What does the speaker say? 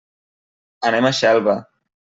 Anem a Xelva.